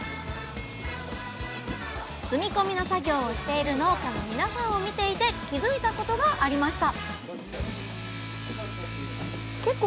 積み込みの作業をしている農家の皆さんを見ていて気付いたことがありました